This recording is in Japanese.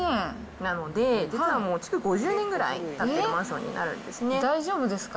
なので実はもう築５０年くらいたってるマンションになるんで大丈夫ですか？